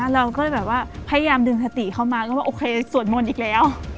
เราก็แบบว่าพยายามดึงสติเข้ามาก็ว่าโอเคสวดมนต์อีกแล้ว